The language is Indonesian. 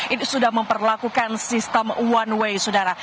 ini sudah memperlakukan sistem one way sudara